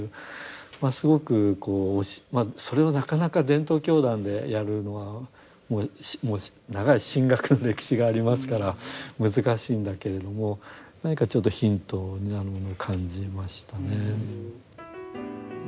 すごくこうそれをなかなか伝統教団でやるのはもう長い神学の歴史がありますから難しいんだけれども何かちょっとヒントになるものを感じましたね。